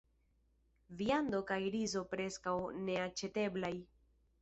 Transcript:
Viando kaj rizo preskaŭ neaĉeteblaj.